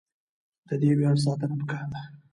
د دې ویاړ ساتنه پکار ده.